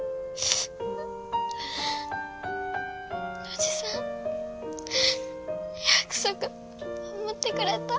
おじさん約束守ってくれた。